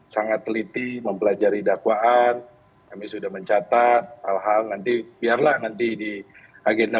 sangat teliti mempelajari dakwaan kami sudah mencatat hal hal nanti biarlah nanti di agenda